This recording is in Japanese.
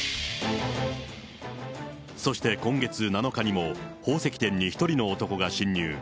そして今月７日にも、宝石店に１人の男が侵入。